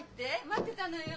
待ってたのよ。